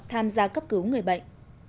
tham gia cấp cứu người bệnh